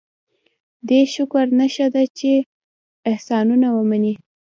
دې شکر نښه دا ده چې احسانونه ومني.